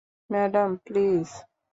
Madam, please!